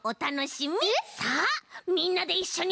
さあみんなでいっしょに。